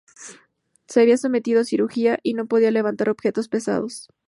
Se había sometido a cirugía y no podía levantar objetos pesados.